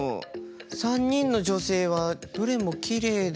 ３人の女性はどれもきれいですし。